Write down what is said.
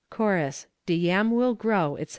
CHORUS De yam will grow, etc.